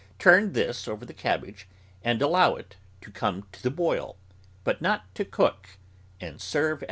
Turn this over the cabbage and allow it to come to the boil, but not to cook, and serve at once.